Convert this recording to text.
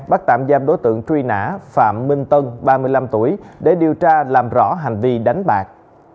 bắt tạm giam đối tượng truy nã phạm minh tân ba mươi năm tuổi để điều tra làm rõ hành vi đánh bạc